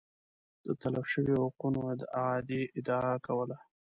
د تلف شویو حقونو اعادې ادعا کوله